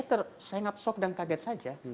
saya sangat sok dan kaget saja